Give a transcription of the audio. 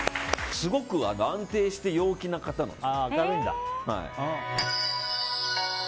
すごく安定して陽気な方です。